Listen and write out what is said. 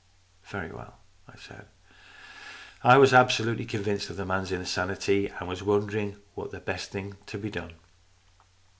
" Very well," I said. I was absolutely convinced of the man's insanity, and was wondering what was the best thing to be done.